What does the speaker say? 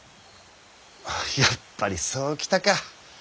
やっぱりそう来たか。